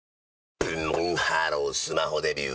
ブンブンハロースマホデビュー！